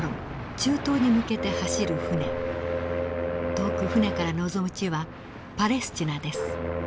遠く船から望む地はパレスチナです。